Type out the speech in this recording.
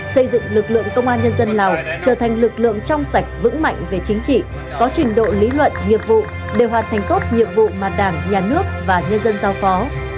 xây dựng lực lượng công an nhân dân lào trở thành lực lượng trong sạch vững mạnh về chính trị có trình độ lý luận nghiệp vụ để hoàn thành tốt nhiệm vụ mà đảng nhà nước và nhân dân giao phó